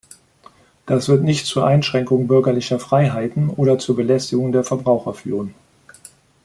Das wird nicht zur Einschränkung bürgerlicher Freiheiten oder zur Belästigung der Verbraucher führen.